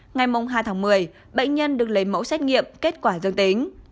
ngày hai tháng một mươi bệnh nhân được lấy mẫu xét nghiệm kết quả dương tính